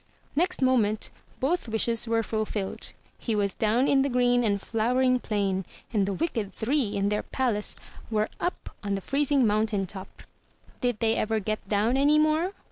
Next moment both wishes were fulfilled. He was down in the green and flowering plain; and the wicked three in their palace were up on the freezing mountain top. Did they ever get down any more?